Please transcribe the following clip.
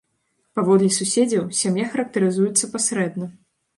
Паводле суседзяў, сям'я характарызуецца пасрэдна.